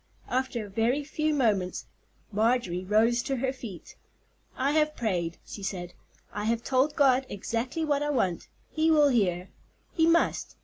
After a very few moments Marjorie rose to her feet. "I have prayed," she said; "I have told God exactly what I want. He will hear. He must.